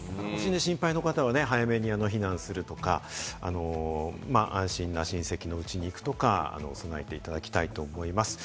心配な方は早めに避難するとか、安心な親戚の家に行くとか、備えていただきたいと思います。